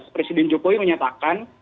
presiden jokowi menyatakan